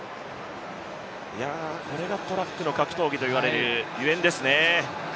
これがトラックの格闘技と言われるゆえんですね。